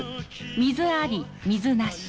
水あり水なし